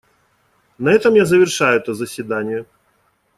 На этом я завершаю это заседание.